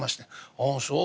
「ああそう。